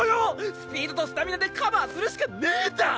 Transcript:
スピードとスタミナでカバーするしかねぇんだ！